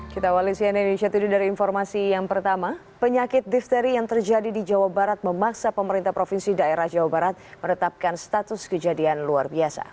kita awali cnn indonesia today dari informasi yang pertama penyakit difteri yang terjadi di jawa barat memaksa pemerintah provinsi daerah jawa barat menetapkan status kejadian luar biasa